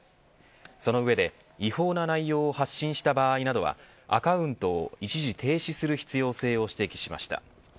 その上で、違法な内容を発信した場合などはアカウントを一時停止する必要性を指摘しました。